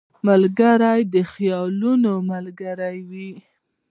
ملګری د خیالونو ملګری وي